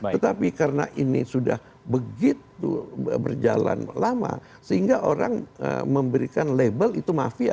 tetapi karena ini sudah begitu berjalan lama sehingga orang memberikan label itu mafia